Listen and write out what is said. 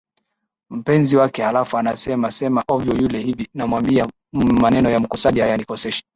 mpenzi wake halafu anasema sema ovyo yule hivi Namwambia maneno ya mkosaji hayanikoseshi